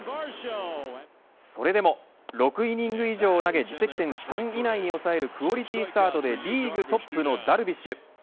それでも６イニング以上を投げ自責点３以内に抑えるクオリティースタートでリーグトップのダルビッシュ。